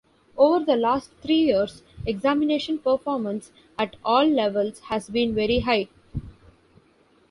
Over the last three years, examination performance at all levels has been very high.